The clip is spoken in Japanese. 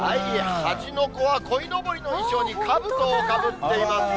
端の子はこいのぼりの衣装にかぶとをかぶっています。